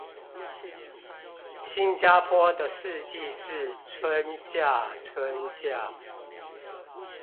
新加坡的四季是春夏春夏